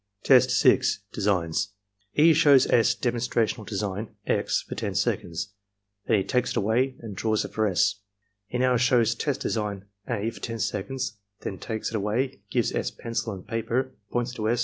Test 6. — ^Designs E. shows S. demonstrational design (x) for 10 seconds. Then he takes it away and draws it for S. He now shows test design (a) for 10 seconds; then takes it away, gives S. pencil and paper, points to S.